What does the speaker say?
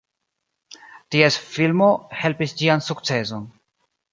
Ties filmo helpis ĝian sukceson.